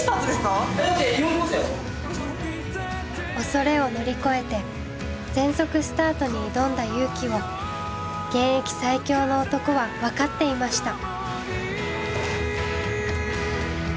恐れを乗り越えて全速スタートに挑んだ勇気を現役最強の男は分かっていました。